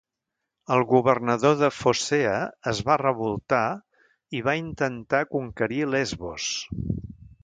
El governador de Focea es va revoltar i va intentar conquerir Lesbos.